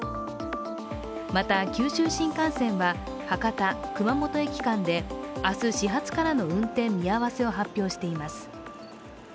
また、九州新幹線は博多−熊本駅間で明日始発からの運転見合わせを発表しています。